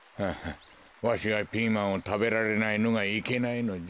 わしがピーマンをたべられないのがいけないのじゃ。